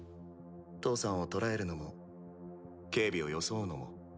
義父さんを捕らえるのも警備を装うのも。